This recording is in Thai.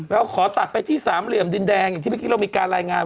เราขอตัดไปที่สามเหลี่ยมดินแดงอย่างที่เมื่อกี้เรามีการรายงาน